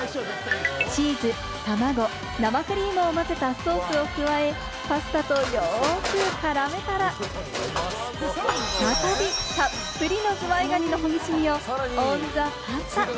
チーズ、卵、生クリームを混ぜたソースを加え、パスタとよく絡めたら再びたっぷりのズワイガニのほぐし身をオン・ザ・パスタ。